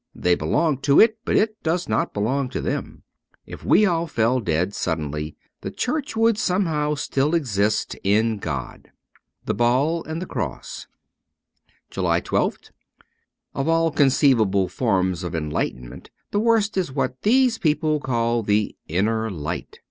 They belong to it, but it does not belong to them. If we all fell dead suddenly, the Church would still somehow exist in God.' ' "The Ball and the Cross.' 213 JULY 1 2th OF all conceivable forms of enlightenment the worst is what these people call the Inner Light.